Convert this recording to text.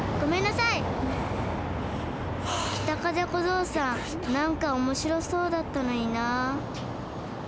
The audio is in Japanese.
北風小僧さんなんかおもしろそうだったのにな。